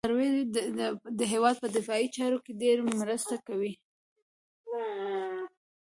سروې د هېواد په دفاعي چارو کې ډېره مرسته کوي